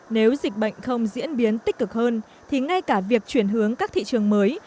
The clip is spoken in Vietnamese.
nếu dịch bệnh không diễn biến tích cực hơn thì ngay cả việc chuyển hướng các thị trường mới